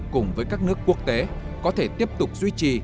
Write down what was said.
cùng với các nước quốc tế có thể tiếp tục duy trì